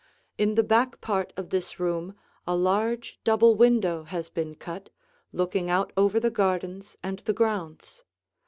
In the back part of this room, a large double window has been cut, looking out over the gardens and the grounds.